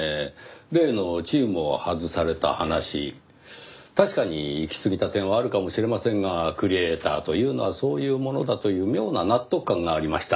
例のチームを外された話確かにいきすぎた点はあるかもしれませんがクリエイターというのはそういうものだという妙な納得感がありました。